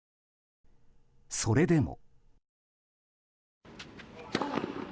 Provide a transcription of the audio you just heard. それでも。